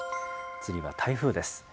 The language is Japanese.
次は台風です。